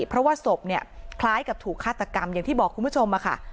เพราะว่าศพเนี่ยคล้ายกับถูกฆาตกรรมอย่างที่บอกคุณผู้ชมค่ะ